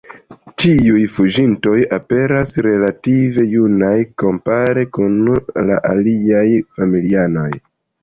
Tiuj "fuĝintoj" aperas relative junaj kompare kun la aliaj familianoj.